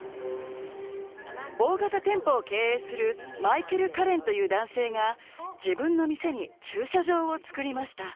大型店舗を経営するマイケル・カレンという男性が自分の店に駐車場をつくりました。